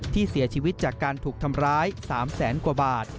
ที่เสียชีวิตจากการถูกทำร้าย๓แสนกว่าบาท